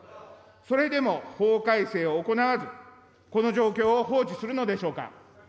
それでも法改正を行わず、この状況を放置するのでしょうか。